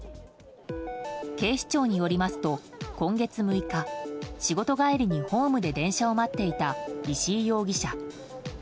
警視庁によりますと今月６日仕事帰りにホームで電車を待っていた石井容疑者。